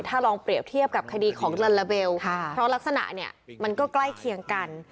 ถ้าลองเปรียบเทียบกับคดีของลัลลาเบลเพราะลักษณะเนี่ยมันก็ใกล้เคียงกัน